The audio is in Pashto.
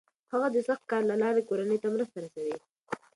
هغه د سخت کار له لارې کورنۍ ته مرسته رسوي.